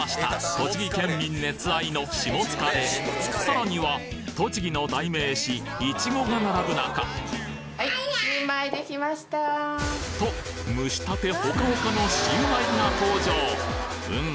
栃木県民熱愛のさらには栃木の代名詞イチゴが並ぶ中と蒸したてホカホカのシウマイが登場うん